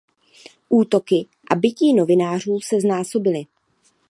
Útoky a bití novinářů se znásobily.